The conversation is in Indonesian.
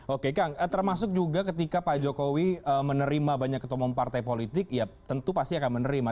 oke kang termasuk juga ketika pak jokowi menerima banyak ketua umum partai politik ya tentu pasti akan menerima